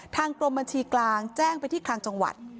ทางกรมบัญชีกลางแจ้งไปที่คลังจังหวัด